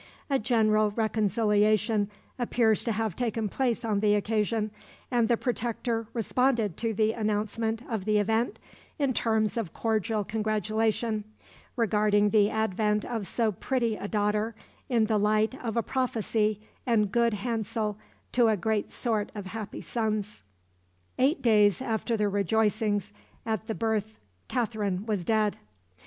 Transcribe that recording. A general reconciliation appears to have taken place on the occasion, and the Protector responded to the announcement of the event in terms of cordial congratulation, regarding the advent of so pretty a daughter in the light of a "prophesy and good hansell to a great sort of happy sons." Eight days after the rejoicings at the birth Katherine was dead.